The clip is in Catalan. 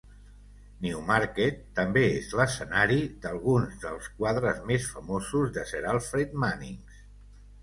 Newmarket també és l'escenari d'alguns dels quadres més famosos de Sir Alfred Munnings.